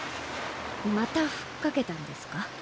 また吹っかけたんですか？